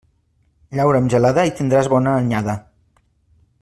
Llaura amb gelada i tindràs bona anyada.